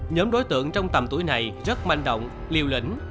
nhóm đối tượng trong tầm tuổi này rất manh động liều lĩnh